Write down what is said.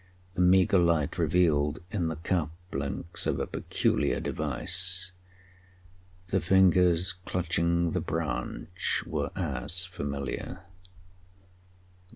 The meagre light revealed in the cuffs links of a peculiar device. The fingers clutching the branch were as familiar.